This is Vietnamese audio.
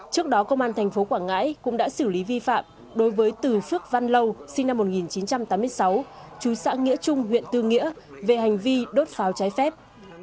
trước đó công an thành phố quảng ngãi cũng đã xử lý vi phạm đối với từ phước văn lâu sinh năm một nghìn chín trăm tám mươi sáu chú xã nghĩa trung huyện tư nghĩa về hành vi đốt pháo trái phép